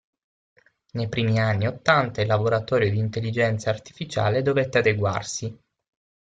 Nei primi anni Ottanta il laboratorio di Intelligenza Artificiale dovette adeguarsi.